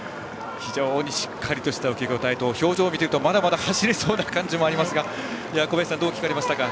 非常にしっかりとした受け答えと表情を見ているとまだ走れそうな感じもありますが小林さん、どう聞かれましたか？